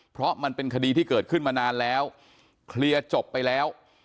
เพราะมันเป็นคดีที่เกิดขึ้นมานานแล้วเคลียร์จบไปแล้ว